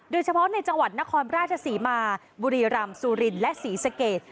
โดยเฉพาะในจังหวัดนครราชศรีมาบุรีรำสุรินและศรีสเกต